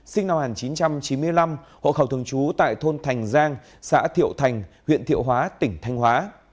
sinh năm một nghìn chín trăm chín mươi năm hộ khẩu thường trú tại thôn thành giang xã thiệu thành huyện thiệu hóa tỉnh thanh hóa